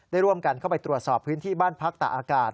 ได้ร่วมกันเข้าไปตรวจสอบพื้นที่บ้านพักตะอากาศ